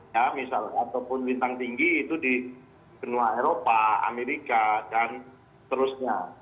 ya misalnya ataupun lintang tinggi itu di benua eropa amerika dan seterusnya